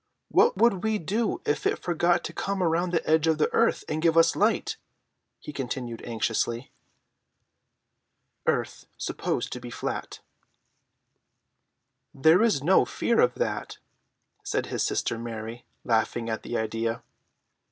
What would we do if it forgot to come round the edge of the earth and give us light?" he continued anxiously. [Illustration: EARTH SUPPOSED TO BE FLAT.] "There is no fear of that," said his sister Mary, laughing at the idea.